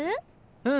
うん。